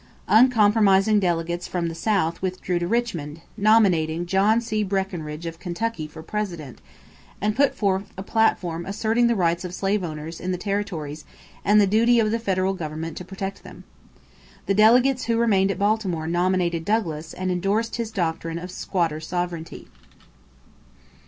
Uncompromising delegates from the South withdrew to Richmond, nominated John C. Breckinridge of Kentucky for President, and put forth a platform asserting the rights of slave owners in the territories and the duty of the federal government to protect them. The delegates who remained at Baltimore nominated Douglas and endorsed his doctrine of squatter sovereignty.